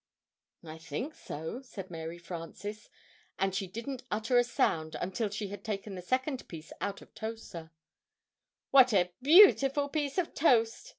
"I think so," said Mary Frances; and she didn't utter a sound until she had taken the second piece out of Toaster. "What a beautiful piece of toast!"